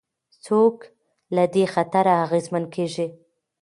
څوک له دې خطره اغېزمن کېږي؟